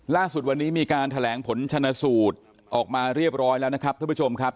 ล่าสุดวันนี้มีการแถลงผลชนสูตรออกมาเรียบร้อยแล้วนะครับท่านผู้ชมครับ